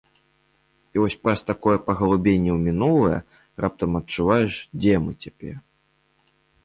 І вось праз такое паглыбленне ў мінулае раптам адчуваеш, дзе мы цяпер.